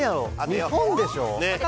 日本でしょ？